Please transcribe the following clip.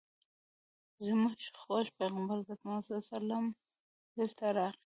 زموږ خوږ پیغمبر حضرت محمد صلی الله علیه وسلم دلته راغی.